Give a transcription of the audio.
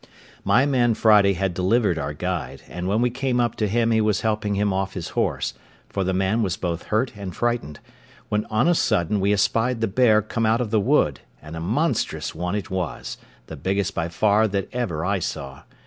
My man Friday had delivered our guide, and when we came up to him he was helping him off his horse, for the man was both hurt and frightened, when on a sudden we espied the bear come out of the wood; and a monstrous one it was, the biggest by far that ever I saw.